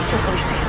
cipulkan suruhi sesa